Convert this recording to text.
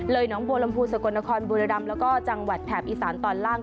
น้องบัวลำพูสกลนครบุรีรำแล้วก็จังหวัดแถบอีสานตอนล่าง